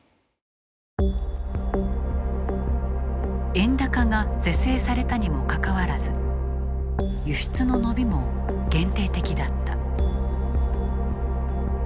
円高が是正されたにもかかわらず輸出の伸びも限定的だった。